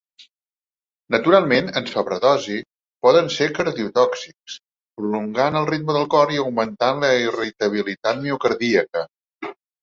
Naturalment, en sobredosi, poden ser cardiotòxics, prolongant el ritme del cor i augmentant la irritabilitat miocardíaca.